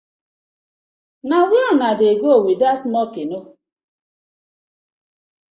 Na where uno dey go wit dat small canoe?